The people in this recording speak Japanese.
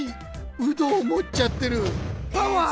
「うど」をもっちゃってるパワー！